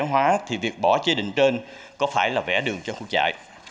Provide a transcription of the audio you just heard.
hóa thì việc bỏ chế định trên có phải là vẽ đường cho khu chạy